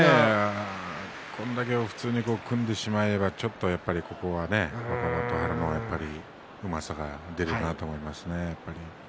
これだけ普通に組んでしまえばやっぱりこれは若元春のうまさが出るという感じですよね。